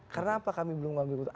kenapa kami belum mengambil keputusan